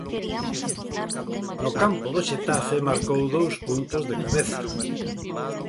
No campo do Xetafe marcou dous puntos de cabeza.